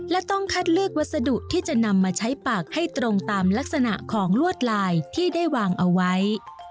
และต้องคัดเลือกวัสดุที่จะนำมาใช้ปากให้ตรงตามลักษณะของลวดลายที่ได้วางเอาไว้